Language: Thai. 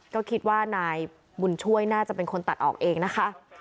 ก็คิดว่านายบุญช่วยน่าจะเป็นคนตัดออกเองนะคะ